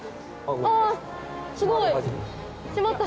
あぁすごい。